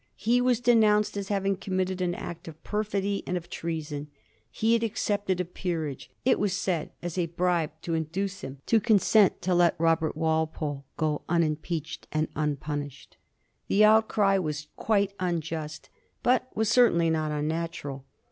He was denounced as having committed an act of perfidy and of treason. He had accepted a peerage, it was said, as a bribe to induce him to consent to let Robert Walpole go unimpeached and unpunished. The outcry was quite unjust, but was certainly not unnatural.